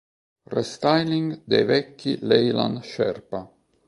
Restyling dei vecchi Leyland Sherpa.